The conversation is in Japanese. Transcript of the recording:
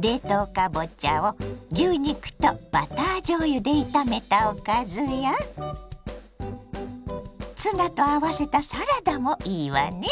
冷凍かぼちゃを牛肉とバターじょうゆで炒めたおかずやツナと合わせたサラダもいいわね。